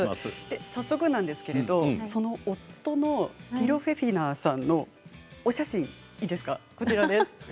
早速なんですが、その夫のティロ・フェヒナーさんのお写真です。